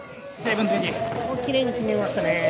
きれいに決めましたね。